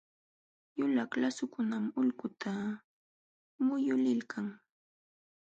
Yulaq lasukunam ulquta muyuliykan.